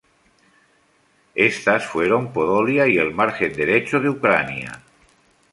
Estas fueron Podolia y el margen derecho de Ucrania.